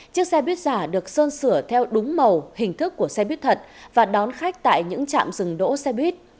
chiếc xe buýt giả được sơn sửa theo đúng màu hình thức của xe buýt thật và đón khách tại những trạm dừng đỗ xe buýt